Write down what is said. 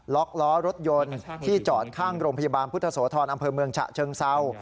ล็อกล้อรถยนต์ที่จอดข้างโรงพยาบาลพุทธโสธรอำเภอเมืองฉะเชิงเศร้า